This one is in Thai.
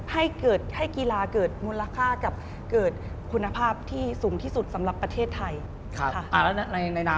ให้เกิดให้กีฬาเกิดมูลค่ากับเกิดคุณภาพที่สูงที่สุดสำหรับประเทศไทย